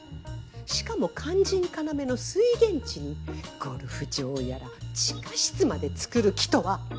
しかも肝心要の水源地にゴルフ場やら地下室まで造る気とは。